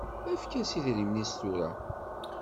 Efk-as idrimen-is tura.